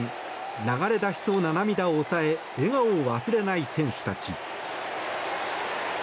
流れ出しそうな涙を抑え笑顔を忘れない選手たち。